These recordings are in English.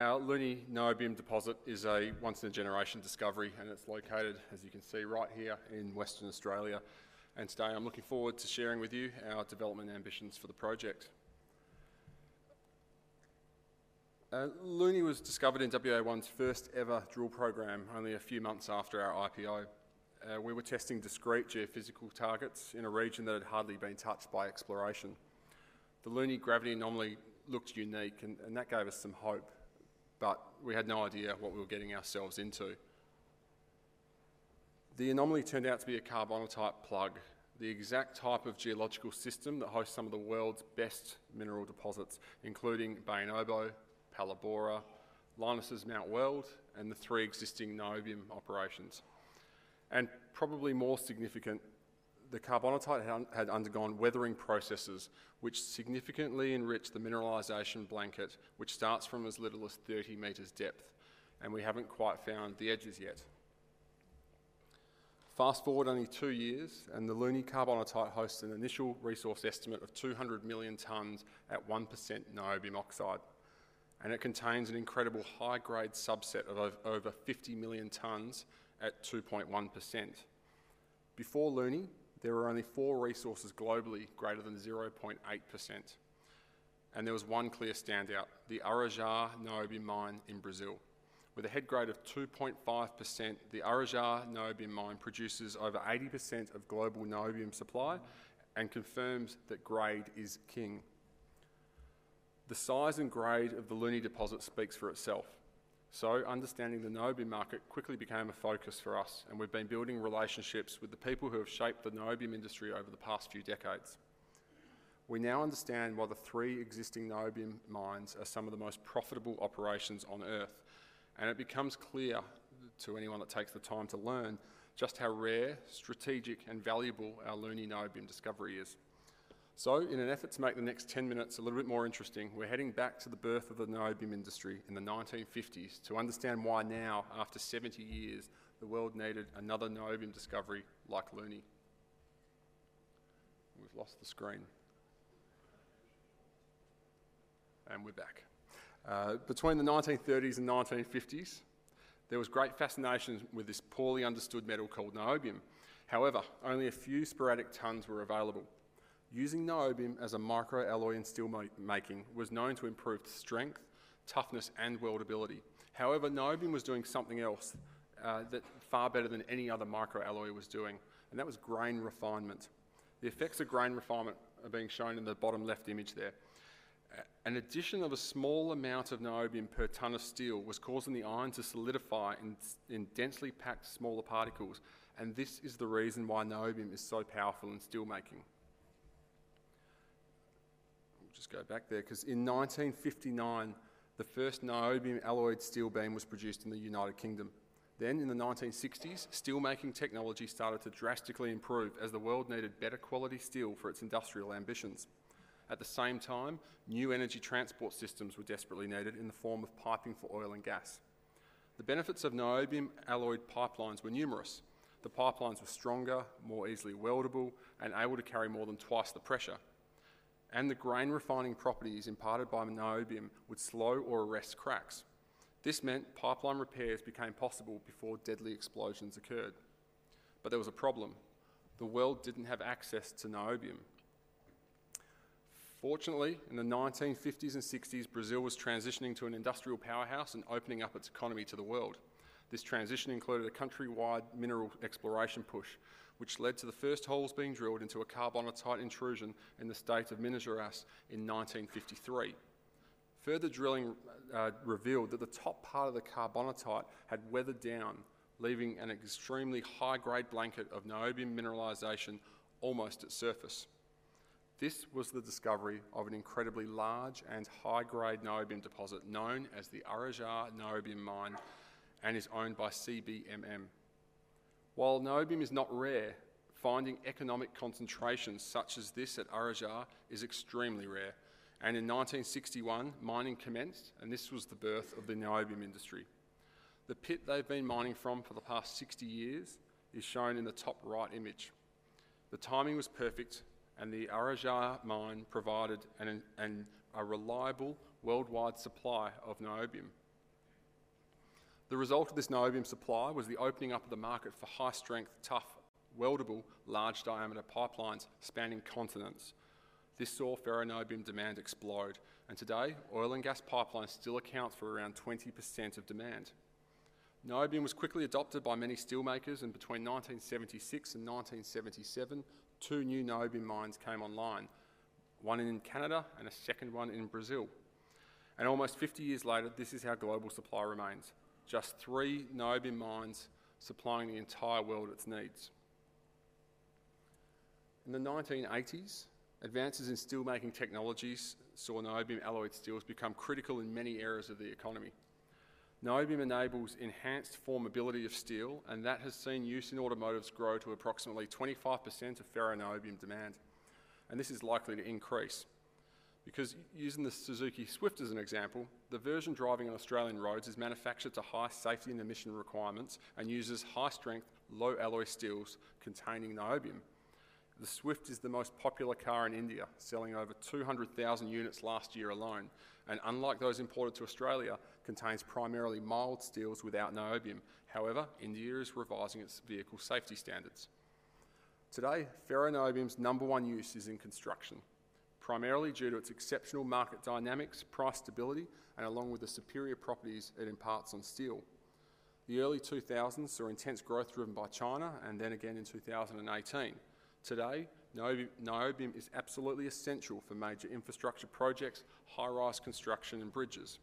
Our Luni niobium deposit is a once-in-a-generation discovery, and it's located, as you can see right here, in Western Australia. Today I'm looking forward to sharing with you our development ambitions for the project. Luni was discovered in WA1's first-ever drill program, only a few months after our IPO. We were testing discrete geophysical targets in a region that had hardly been touched by exploration. The Luni gravity anomaly looked unique, and that gave us some hope, but we had no idea what we were getting ourselves into. The anomaly turned out to be a carbonatite plug, the exact type of geological system that hosts some of the world's best mineral deposits, including Bayan Obo, Palabora, Lynas' Mount Weld, and the three existing niobium operations. And probably more significant, the carbonatite had undergone weathering processes, which significantly enriched the mineralisation blanket, which starts from as little as 30 meters depth, and we haven't quite found the edges yet. Fast forward only two years, and the Luni carbonatite hosts an initial resource estimate of 200 million tonnes at 1% niobium oxide, and it contains an incredible high-grade subset of over 50 million tonnes at 2.1%. Before Luni, there were only four resources globally greater than 0.8%, and there was one clear standout: the Araxá niobium mine in Brazil. With a head grade of 2.5%, the Araxá niobium mine produces over 80% of global niobium supply and confirms that grade is king. The size and grade of the Luni deposit speaks for itself, so understanding the niobium market quickly became a focus for us, and we've been building relationships with the people who have shaped the niobium industry over the past few decades. We now understand why the three existing niobium mines are some of the most profitable operations on Earth, and it becomes clear to anyone that takes the time to learn just how rare, strategic, and valuable our Luni niobium discovery is. So, in an effort to make the next 10 minutes a little bit more interesting, we're heading back to the birth of the niobium industry in the 1950s to understand why now, after 70 years, the world needed another niobium discovery like Luni. We've lost the screen. We're back. Between the 1930s and 1950s, there was great fascination with this poorly understood metal called niobium. However, only a few sporadic tonnes were available. Using niobium as a microalloy in steel making was known to improve strength, toughness, and weldability. However, niobium was doing something else that was far better than any other microalloy was doing, and that was grain refinement. The effects of grain refinement are being shown in the bottom left image there. An addition of a small amount of niobium per ton of steel was causing the iron to solidify in densely packed smaller particles, and this is the reason why niobium is so powerful in steel making. I'll just go back there because in 1959, the first niobium alloyed steel beam was produced in the United Kingdom. Then, in the 1960s, steel making technology started to drastically improve as the world needed better quality steel for its industrial ambitions. At the same time, new energy transport systems were desperately needed in the form of piping for oil and gas. The benefits of niobium alloyed pipelines were numerous. The pipelines were stronger, more easily weldable, and able to carry more than twice the pressure. The grain refining properties imparted by niobium would slow or arrest cracks. This meant pipeline repairs became possible before deadly explosions occurred. There was a problem. The world didn't have access to niobium. Fortunately, in the 1950s and 1960s, Brazil was transitioning to an industrial powerhouse and opening up its economy to the world. This transition included a countrywide mineral exploration push, which led to the first holes being drilled into a carbonatite intrusion in the state of Minas Gerais in 1953. Further drilling revealed that the top part of the carbonatite had weathered down, leaving an extremely high-grade blanket of niobium mineralization almost at surface. This was the discovery of an incredibly large and high-grade niobium deposit known as the Araxá niobium mine and is owned by CBMM. While niobium is not rare, finding economic concentrations such as this at Araxá is extremely rare, and in 1961, mining commenced, and this was the birth of the niobium industry. The pit they've been mining from for the past 60 years is shown in the top right image. The timing was perfect, and the Araxá mine provided a reliable worldwide supply of niobium. The result of this niobium supply was the opening up of the market for high-strength, tough, weldable, large-diameter pipelines spanning continents. This saw ferroniobium demand explode, and today, oil and gas pipelines still account for around 20% of demand. Niobium was quickly adopted by many steelmakers, and between 1976 and 1977, 2 new niobium mines came online, 1 in Canada and a second one in Brazil. Almost 50 years later, this is how global supply remains: just 3 niobium mines supplying the entire world its needs. In the 1980s, advances in steel making technologies saw niobium alloyed steels become critical in many areas of the economy. Niobium enables enhanced formability of steel, and that has seen use in automotives grow to approximately 25% of ferroniobium demand, and this is likely to increase. Because using the Suzuki Swift as an example, the version driving on Australian roads is manufactured to high safety and emission requirements and uses high-strength, low-alloy steels containing niobium. The Swift is the most popular car in India, selling over 200,000 units last year alone, and unlike those imported to Australia, contains primarily mild steels without niobium. However, India is revising its vehicle safety standards. Today, ferroniobium's number one use is in construction, primarily due to its exceptional market dynamics, price stability, and along with the superior properties it imparts on steel. The early 2000s saw intense growth driven by China and then again in 2018. Today, niobium is absolutely essential for major infrastructure projects, high-rise construction, and bridges.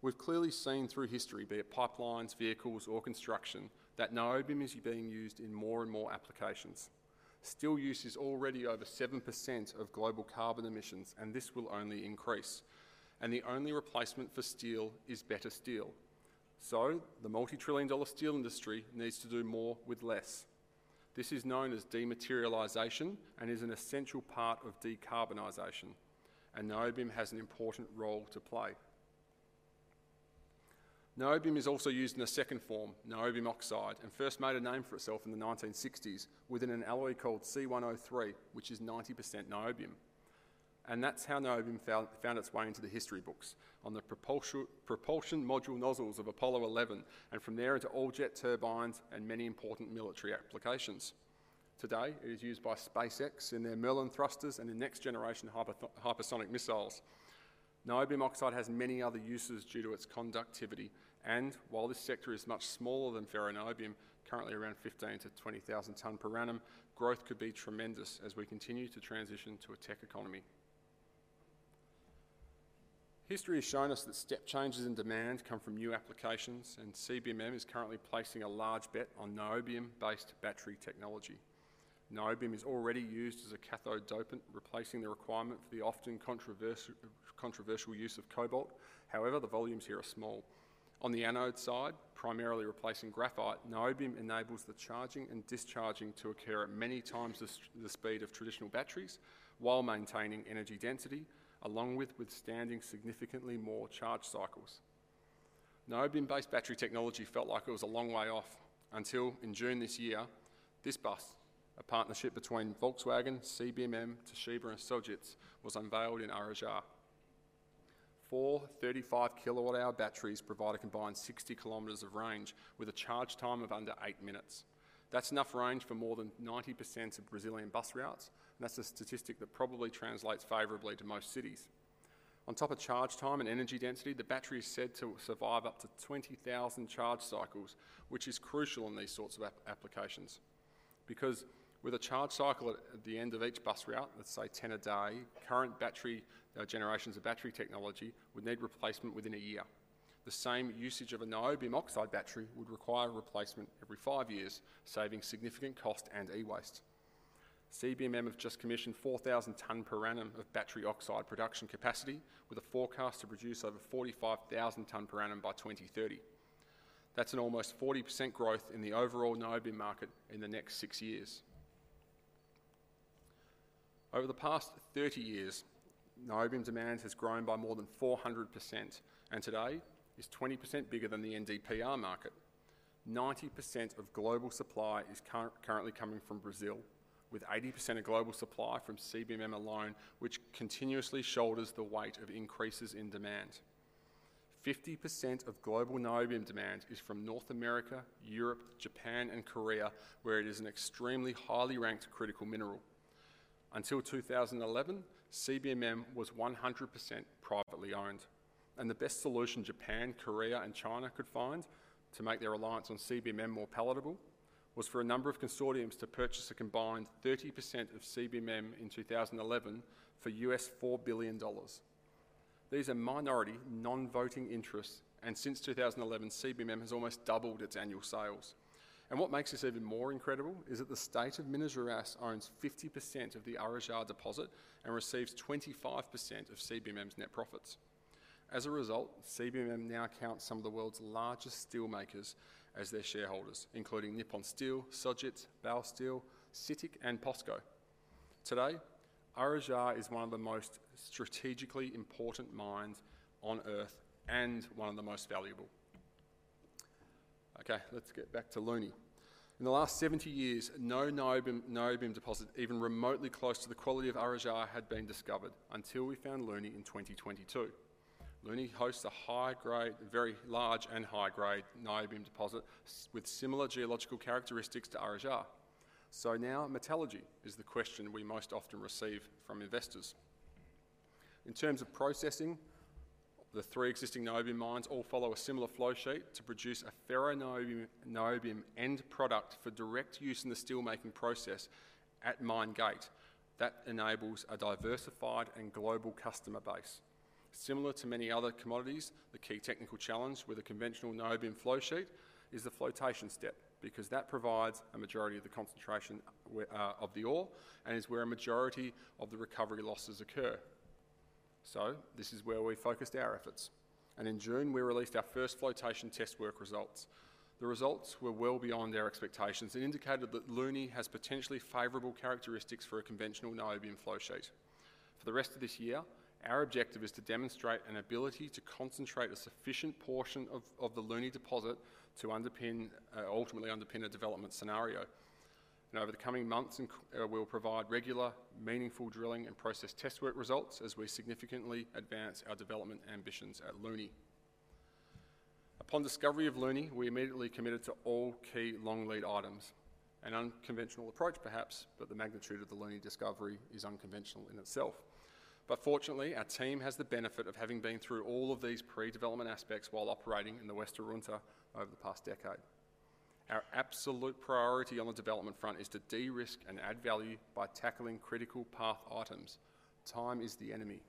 We've clearly seen through history, be it pipelines, vehicles, or construction, that niobium is being used in more and more applications. Steel use is already over 7% of global carbon emissions, and this will only increase. The only replacement for steel is better steel. The multi-trillion dollar steel industry needs to do more with less. This is known as dematerialization and is an essential part of decarbonization, and niobium has an important role to play. Niobium is also used in a second form, niobium oxide, and first made a name for itself in the 1960s within an alloy called C103, which is 90% niobium. That's how niobium found its way into the history books on the propulsion module nozzles of Apollo 11, and from there into all jet turbines and many important military applications. Today, it is used by SpaceX in their Merlin thrusters and in next-generation hypersonic missiles. Niobium oxide has many other uses due to its conductivity, and while this sector is much smaller than ferroniobium, currently around 15-20,000 tonnes per annum, growth could be tremendous as we continue to transition to a tech economy. History has shown us that step changes in demand come from new applications, and CBMM is currently placing a large bet on niobium-based battery technology. Niobium is already used as a cathode dopant, replacing the requirement for the often controversial use of cobalt. However, the volumes here are small. On the anode side, primarily replacing graphite, niobium enables the charging and discharging to occur at many times the speed of traditional batteries while maintaining energy density, along withstanding significantly more charge cycles. Niobium-based battery technology felt like it was a long way off until, in June this year, this bus, a partnership between Volkswagen, CBMM, Toshiba, and Sojitz, was unveiled in Araxá. 4 35 kWh batteries provide a combined 60 kilometers of range with a charge time of under 8 minutes. That's enough range for more than 90% of Brazilian bus routes, and that's a statistic that probably translates favorably to most cities. On top of charge time and energy density, the battery is said to survive up to 20,000 charge cycles, which is crucial in these sorts of applications. Because with a charge cycle at the end of each bus route, let's say 10 a day, current generations of battery technology would need replacement within a year. The same usage of a niobium oxide battery would require replacement every five years, saving significant cost and e-waste. CBMM have just commissioned 4,000 tonnes per annum of battery oxide production capacity, with a forecast to produce over 45,000 tonnes per annum by 2030. That's an almost 40% growth in the overall niobium market in the next six years. Over the past 30 years, niobium demand has grown by more than 400%, and today is 20% bigger than the NdPr market. 90% of global supply is currently coming from Brazil, with 80% of global supply from CBMM alone, which continuously shoulders the weight of increases in demand. 50% of global niobium demand is from North America, Europe, Japan, and Korea, where it is an extremely highly ranked critical mineral. Until 2011, CBMM was 100% privately owned, and the best solution Japan, Korea, and China could find to make their reliance on CBMM more palatable was for a number of consortiums to purchase a combined 30% of CBMM in 2011 for $4 billion. These are minority non-voting interests, and since 2011, CBMM has almost doubled its annual sales. What makes this even more incredible is that the state of Minas Gerais owns 50% of the Araxá deposit and receives 25% of CBMM's net profits. As a result, CBMM now counts some of the world's largest steelmakers as their shareholders, including Nippon Steel, Sojitz, Baosteel, CITIC, and POSCO. Today, Araxá is one of the most strategically important mines on Earth and one of the most valuable. Okay, let's get back to Luni. In the last 70 years, no niobium deposit even remotely close to the quality of Araxá had been discovered until we found Luni in 2022. Luni hosts a high-grade, very large and high-grade niobium deposit with similar geological characteristics to Araxá. So now metallurgy is the question we most often receive from investors. In terms of processing, the three existing niobium mines all follow a similar flowsheet to produce a ferroniobium end product for direct use in the steel making process at mine gate. That enables a diversified and global customer base. Similar to many other commodities, the key technical challenge with a conventional niobium flow sheet is the flotation step because that provides a majority of the concentration of the ore and is where a majority of the recovery losses occur. So this is where we focused our efforts. And in June, we released our first flotation test work results. The results were well beyond our expectations and indicated that Luni has potentially favorable characteristics for a conventional niobium flowsheet. For the rest of this year, our objective is to demonstrate an ability to concentrate a sufficient portion of the Luni deposit to ultimately underpin a development scenario. Over the coming months, we'll provide regular, meaningful drilling and process test work results as we significantly advance our development ambitions at Luni. Upon discovery of Luni, we immediately committed to all key long lead items. An unconventional approach, perhaps, but the magnitude of the Luni discovery is unconventional in itself. But fortunately, our team has the benefit of having been through all of these pre-development aspects while operating in the West Arunta over the past decade. Our absolute priority on the development front is to de-risk and add value by tackling critical path items. Time is the enemy.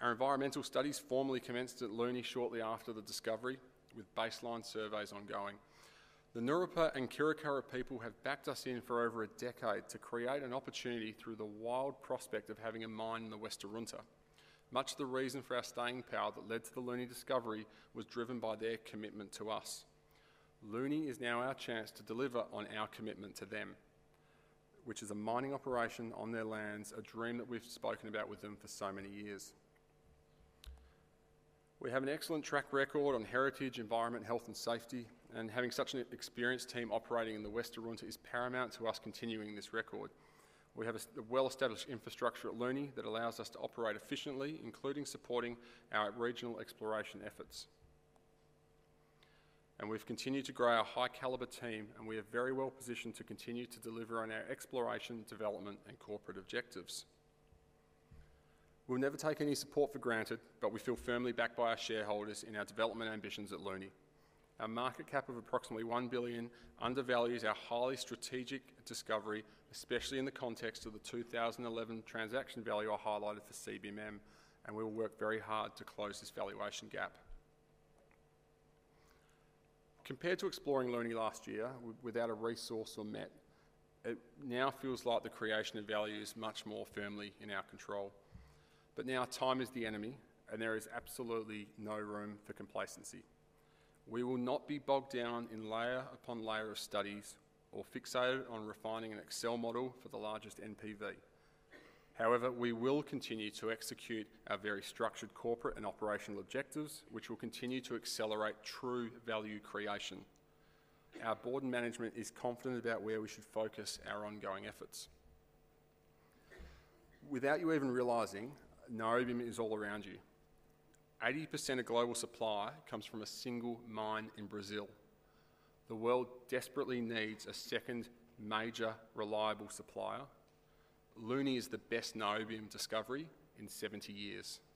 Our environmental studies formally commenced at Luni shortly after the discovery, with baseline surveys ongoing. The Ngururrpa and Kiwirrkurra people have backed us in for over a decade to create an opportunity through the wild prospect of having a mine in the West Arunta. Much of the reason for our staying power that led to the Luni discovery was driven by their commitment to us. Luni is now our chance to deliver on our commitment to them, which is a mining operation on their lands, a dream that we've spoken about with them for so many years. We have an excellent track record on heritage, environment, health, and safety, and having such an experienced team operating in the West Arunta is paramount to us continuing this record. We have a well-established infrastructure at Luni that allows us to operate efficiently, including supporting our regional exploration efforts. And we've continued to grow our high-caliber team, and we are very well positioned to continue to deliver on our exploration, development, and corporate objectives. We'll never take any support for granted, but we feel firmly backed by our shareholders in our development ambitions at Luni Our market cap of approximately $1 billion undervalues our highly strategic discovery, especially in the context of the 2011 transaction value I highlighted for CBMM, and we will work very hard to close this valuation gap. Compared to exploring Luni last year without a resource or met, it now feels like the creation of value is much more firmly in our control. But now time is the enemy, and there is absolutely no room for complacency. We will not be bogged down in layer upon layer of studies or fixated on refining an Excel model for the largest NPV. However, we will continue to execute our very structured corporate and operational objectives, which will continue to accelerate true value creation. Our board and management is confident about where we should focus our ongoing efforts. Without you even realizing, niobium is all around you. 80% of global supply comes from a single mine in Brazil. The world desperately needs a second, major, reliable supplier. Luni is the best niobium discovery in 70 years. Thank you.